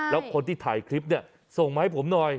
แล้วคนที่ถ่ายคลิปเนี่ยส่งมาให้ผมหน่อย